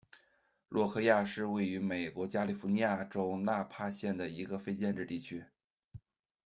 洛科亚是位于美国加利福尼亚州纳帕县的一个非建制地区。